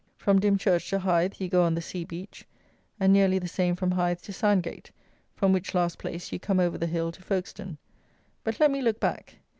From Dimchurch to Hythe you go on the sea beach, and nearly the same from Hythe to Sandgate, from which last place you come over the hill to Folkestone. But let me look back.